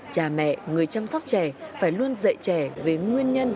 cha mẹ người chăm sóc trẻ phải luôn dạy trẻ về nguyên nhân